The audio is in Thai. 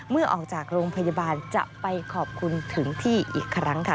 เมื่อออกจากโรงพยาบาลจะไปขอบคุณถึงที่อีกครั้งค่ะ